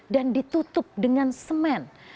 dan ditutup dengan semen